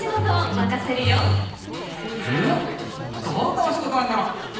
どんなお仕事なんだろ。